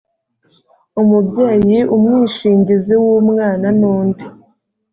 umubyeyi umwishingizi w umwana n undi